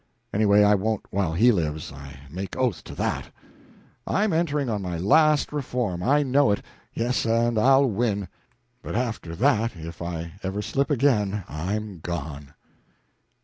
Anyway, I won't while he lives, I make oath to that. I'm entering on my last reform I know it yes, and I'll win; but after that, if I ever slip again I'm gone."